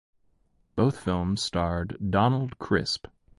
Both films starred Donald Crisp.